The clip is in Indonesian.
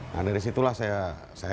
nah dari situlah saya kreasiin masaknya